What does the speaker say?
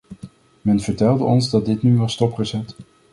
Men vertelde ons dat dit nu was stopgezet.